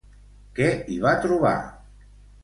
Què hi va trobar?